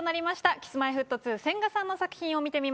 Ｋｉｓ−Ｍｙ−Ｆｔ２千賀さんの作品を見てみましょう。